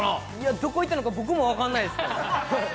どこいったのか僕も分かんないです。